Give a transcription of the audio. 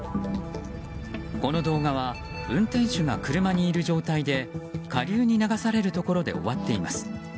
この動画は運転手が車にいる状態で下流に流されるところで終わっています。